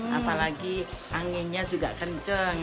apalagi anginnya juga kenceng